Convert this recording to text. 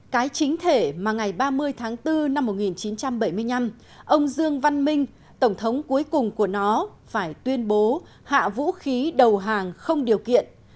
cái chính thể mà ngày ba mươi tháng bốn năm một nghìn chín trăm bảy mươi năm ông dương văn minh tổng thống cuối cùng của nó phải tuyên bố hạ vũ khí đầu hàng không điều kiện